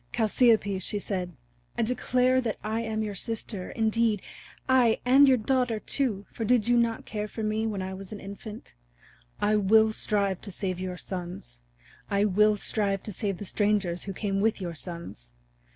"Chalciope," she said, "I declare that I am your sister, indeed aye, and your daughter, too, for did you not care for me when I was an infant? I will strive to save your sons. I will strive to save the strangers who came with your sons.